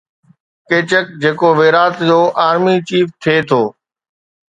ڪيچڪ جيڪو ويرات جو army chief ٿي ٿو